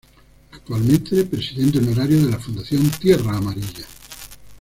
Actualmente, presidente honorario de la Fundación Tierra Amarilla.